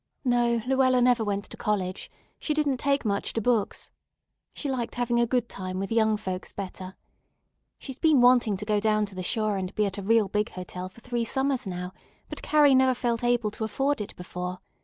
No, Luella never went to college. She didn't take much to books. She liked having a good time with young folks better. She's been wanting to go down to the shore and be at a real big hotel for three summers now, but Carrie never felt able to afford it before.